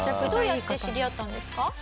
どうやって知り合ったんですか？